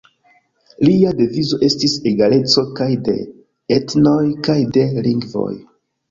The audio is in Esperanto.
Lia devizo estis egaleco kaj de etnoj kaj de lingvoj.